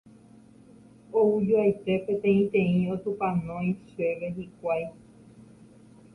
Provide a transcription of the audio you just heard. Oujoaite peteĩteĩ otupãnói chéve hikuái.